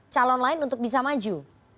calon lain untuk bisa maju